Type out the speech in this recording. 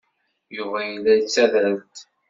Yuba yella yettader-d.